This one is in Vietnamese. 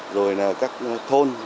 rồi là các thôn